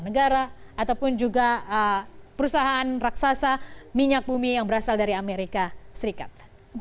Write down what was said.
negara ataupun juga perusahaan raksasa minyak bumi yang berasal dari amerika serikat